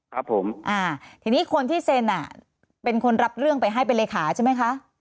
ครับผมอ่าทีนี้คนที่เซ็นอ่ะเป็นคนรับเรื่องไปให้เป็นเลขาใช่ไหมคะ